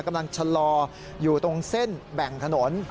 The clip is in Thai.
กำลังชะลออยู่ตรงเส้นแบ่งถนน